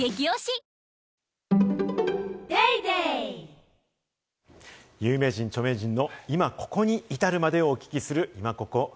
ニトリ有名人・著名人の今ここに至るまでをお聞きするイマココ。